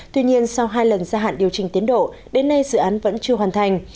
tuy nhiên sau hai lần gia hạn điều chỉnh tiến độ đến nay dự án vẫn chưa hoàn thành